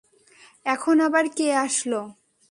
এখন আবার কে আসলো?